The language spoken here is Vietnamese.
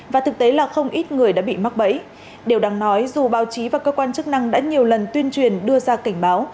và thực tế là không ít người đã bị mắc bẫy điều đáng nói dù báo chí và cơ quan chức năng đã nhiều lần tuyên truyền đưa ra cảnh báo